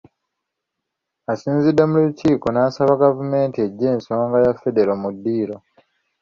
Asinzidde mu Lukiiko, n'asaba gavumenti eggye ensonga ya Federo mu ddiiro